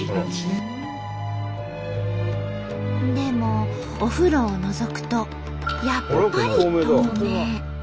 でもお風呂をのぞくとやっぱり透明。